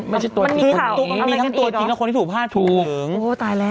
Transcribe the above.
ไม่ใช่ตัวอีกคนนี้มีทั้งตัวจริงแล้วคนที่ถูกพลาดถูกถึงโอ้โฮตายแล้ว